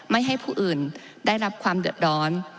ให้ผู้อื่นได้รับความเดือดร้อน